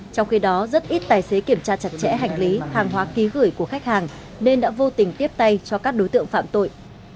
trong khi đó rất ít tài xế kiểm tra chặt chẽ hành lý hàng hóa ký gửi của khách hàng nên đã vô tình tiếp tay cho các đối tượng phạm tội